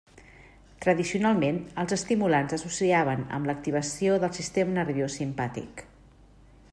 Tradicionalment, els estimulants s'associaven amb l'activació del sistema nerviós simpàtic.